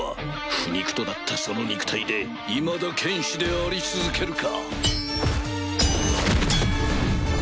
腐肉となったその肉体でいまだ剣士であり続けるか！